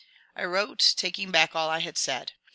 I wrote taking back all I had said.